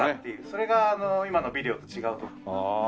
それがあの今のビデオと違う。